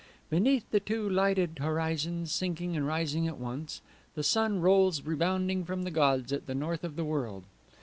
Beneath the two lighted horizons, sinking and rising at once, The sun rolls rebounding from the gods at the north of the world.